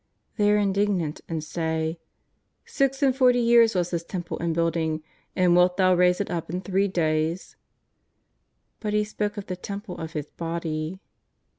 They are indignant and say :" Six and forty years was this Temple in building, and wilt Thou raise it up in three days ?" But He spoke of the Temple of His body.